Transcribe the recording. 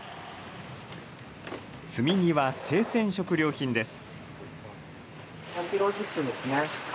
積み荷は生鮮食料品です。